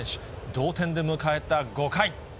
同点で迎えた５回。